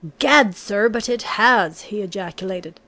"Gad, sir, but it has!" he ejaculated.